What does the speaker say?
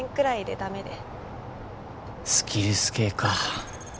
スキルス系か